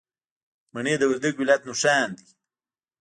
مڼې د وردګو ولایت نښان دی.